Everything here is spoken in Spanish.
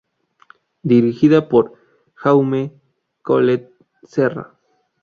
Dirigida por Jaume Collet-Serra.